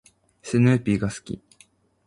スヌーピーが好き。